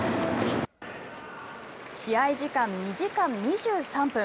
試合時間２時間２３分。